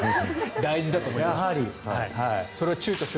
大事だと思います。